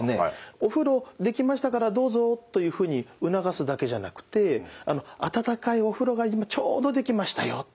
「お風呂出来ましたからどうぞ」というふうに促すだけじゃなくて「温かいお風呂が今ちょうど出来ましたよ」と言ったり。